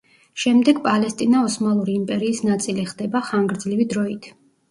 შემდეგ პალესტინა ოსმალური იმპერიის ნაწილი ხდება ხანგრძლივი დროით.